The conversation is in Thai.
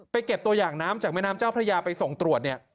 เก็บตัวอย่างน้ำจากแม่น้ำเจ้าพระยาไปส่งตรวจเนี่ย